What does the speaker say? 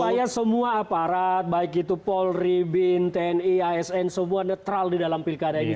supaya semua aparat baik itu polri binten iasn semua netral di dalam pilkada ini